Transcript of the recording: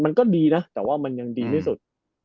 มันก็ดีนะแต่ว่ามันยังดีที่สุด